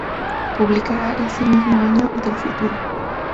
Publicará ese mismo año "Del Futuro.